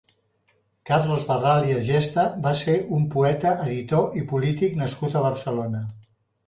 Carlos Barral i Agesta va ser un poeta, editor i polític nascut a Barcelona.